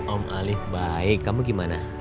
om alif baik kamu gimana